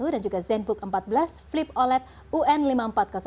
dan juga zenbook empat belas flip oled bilingural